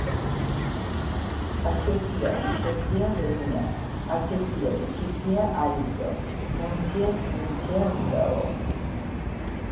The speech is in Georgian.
აშოთია ვიშოთია რენია."აქეთია იქითია არისო".მომციას მიმცია უნდაო.